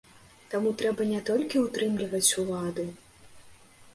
Таму трэба не толькі ўтрымліваць уладу.